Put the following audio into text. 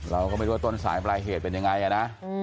เราก็ไม่รู้ว่าต้นสายปลายเหตุเป็นยังไงนะ